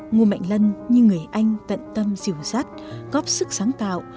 ngô mạnh lân như người anh tận tâm dìu dắt góp sức sáng tạo